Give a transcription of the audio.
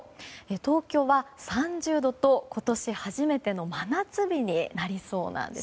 東京は３０度と今年初めての真夏日になりそうなんです。